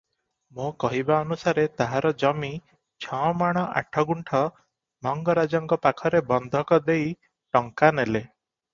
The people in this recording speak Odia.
'ମୋ କହିବା ଅନୁସାରେ ତାହାର ଜମି 'ଛମାଣ ଆଠଗୁଣ୍ଠ' ମଙ୍ଗରାଜଙ୍କ ପାଖରେ ବନ୍ଧକ ଦେଇ ଟଙ୍କା ନେଲେ ।